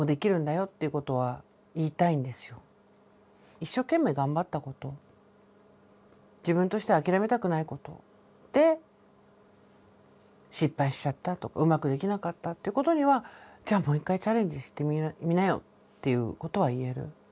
一生懸命頑張ったこと自分としては諦めたくないことで失敗しちゃったとうまくできなかったっていうことにはっていうことは言える。